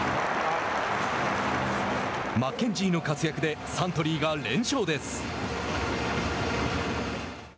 マッケンジーの活躍でサントリーが連勝です。